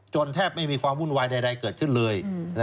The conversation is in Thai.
แทบไม่มีความวุ่นวายใดเกิดขึ้นเลย